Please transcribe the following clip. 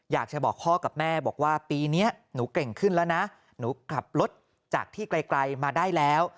อยากจะบอกพ่อกับแม่บอกว่าปีนี้หนูเก่งขึ้นแล้วนะหนูขับรถจากที่ไกลมาได้แล้ว